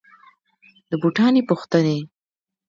د بوټاني پوښتني